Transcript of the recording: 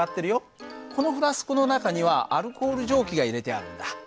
このフラスコの中にはアルコール蒸気が入れてあるんだ。